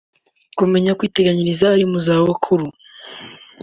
kumenya kwiteganyiriza ari mu za bukuru